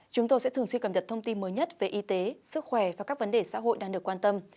chúng tôi sẽ thường xuyên cập nhật thông tin mới nhất về y tế sức khỏe và các vấn đề xã hội đang được quan tâm